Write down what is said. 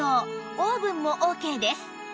オーブンもオーケーです